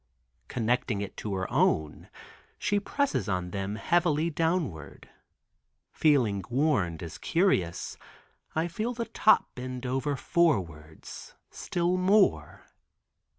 Connecting it to her own, she presses on them heavily downward. Feeling warned, as curious, I feel the top bend over forwards, still more.